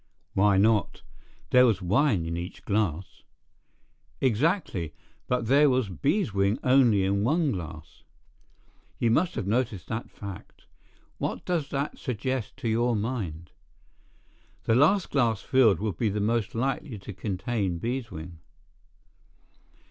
"Why not? There was wine in each glass." "Exactly, but there was beeswing only in one glass. You must have noticed that fact. What does that suggest to your mind?" "The last glass filled would be most likely to contain beeswing."